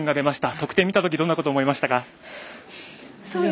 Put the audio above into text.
得点見たときどんなことを思いましたか？